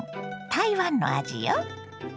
台湾の味よ。